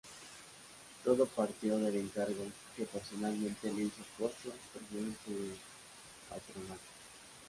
Todo partió del encargo que personalmente le hizo Cossío, presidente del Patronato.